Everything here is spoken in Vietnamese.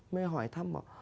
mới hỏi thăm bảo